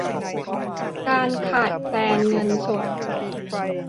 การขาดแคลนเงินสด